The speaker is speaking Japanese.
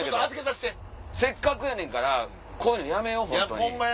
せっかくやねんからこういうのやめよう本当に。